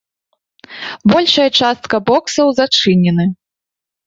Большая частка боксаў зачынены.